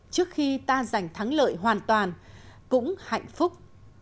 trước khi ta giành thắng lợi hoàn toàn cũng hạnh phúc